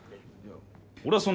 俺はそのう。